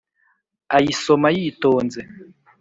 ayisoma yitonze